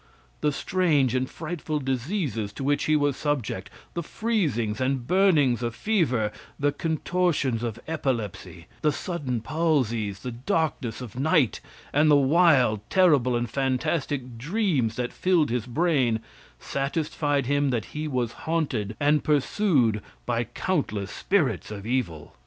The strange and frightful diseases to which he was subject, the freezings and burnings of fever, the contortions of epilepsy, the sudden palsies, the darkness of night, and the wild, terrible and fantastic dreams that filled his brain, satisfied him that he was haunted and pursued by countless spirits of evil.